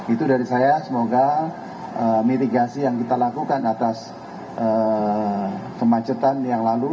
itu dari saya semoga mitigasi yang kita lakukan atas kemacetan yang lalu